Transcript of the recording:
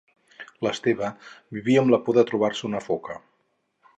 L'Esteve vivia amb la por de trobar-se una foca.